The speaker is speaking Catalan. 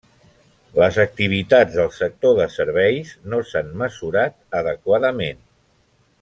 Les activitats del sector de serveis no s'han mesurat adequadament.